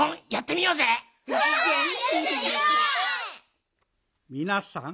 みなさん